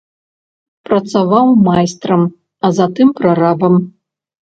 Працаваў майстрам, а затым прарабам.